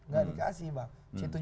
gak dikasih bang